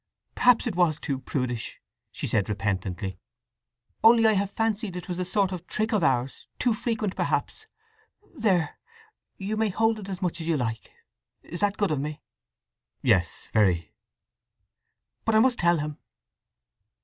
"Perhaps it was too prudish," she said repentantly. "Only I have fancied it was a sort of trick of ours—too frequent perhaps. There, you may hold it as much as you like. Is that good of me?" "Yes; very." "But I must tell him."